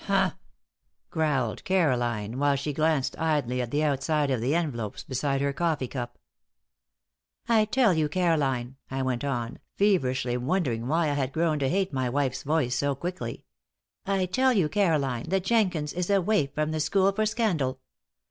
"H'm!" growled Caroline, while she glanced idly at the outside of the envelopes beside her coffee cup. "I tell you, Caroline," I went on, feverishly, wondering why I had grown to hate my wife's voice so quickly, "I tell you, Caroline, that Jenkins is a waif from the School for Scandal.